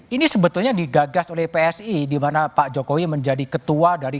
ini sebetulnya digagas oleh psi dimana pak jokowi menjadi ketua dan pembicaraan